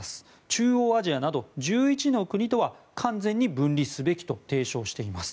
中央アジアなど１１の国とは完全に分離すべきと提唱しています。